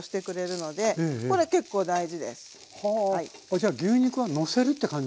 じゃあ牛肉はのせるって感じ？